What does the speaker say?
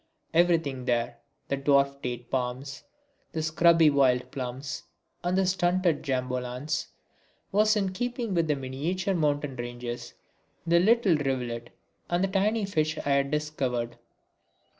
Everything there, the dwarf date palms, the scrubby wild plums and the stunted jambolans, was in keeping with the miniature mountain ranges, the little rivulet and the tiny fish I had discovered.